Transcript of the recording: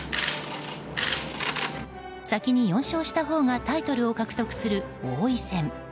先に４勝したほうがタイトルを獲得する王位戦。